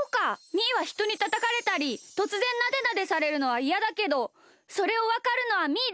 みーはひとにたたかれたりとつぜんなでなでされるのはいやだけどそれをわかるのはみーだけなのか！